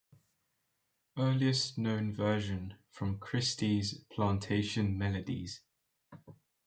Earliest known version, from Christy's Plantation Melodies.